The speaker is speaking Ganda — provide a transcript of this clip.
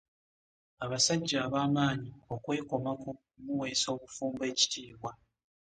Abasajja abamanyi okwekomako muweesa obufumbo ekitiibwa.